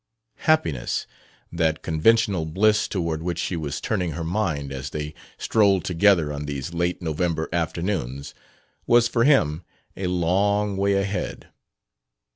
"Happiness" that conventional bliss toward which she was turning her mind as they strolled together on these late November afternoons was for him a long way ahead.